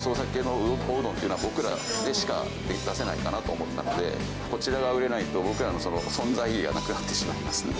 このいわゆる創作系のおうどんというのは、僕らでしか出せないかなと思ったので、こちらが売れないと、僕らの存在意義がなくなってしまいますので。